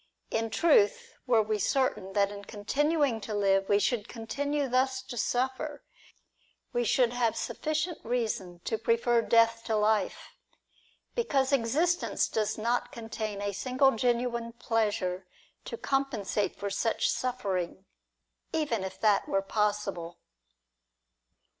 In truth, were we certain that in continuing to live, we should continue thus to suffer, we should have sufficient reason to prefer death to life ; because existence does not contain a single genuine pleasure to compensate for such suffering, even if that were possible.